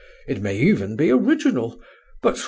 It may even be original. But...